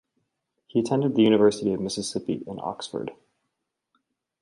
He attended the University of Mississippi in Oxford.